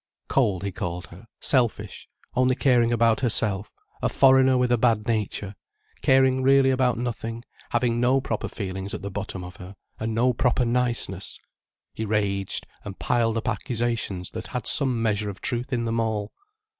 Cold, he called her, selfish, only caring about herself, a foreigner with a bad nature, caring really about nothing, having no proper feelings at the bottom of her, and no proper niceness. He raged, and piled up accusations that had some measure of truth in them all.